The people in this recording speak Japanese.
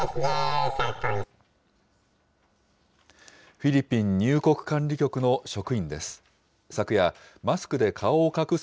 フィリピン入国管理局の職員です。